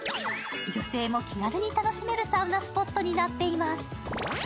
女性も気軽に楽しめるサウナスポットになっています。